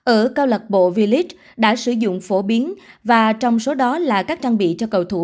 ở cao lật bộ village đã sử dụng phổ biến và trong số đó là các trang bị cho cầu thủ